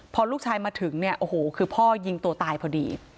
พอลูกชายมาถึงคือพ่อยิงตัวตายพอดี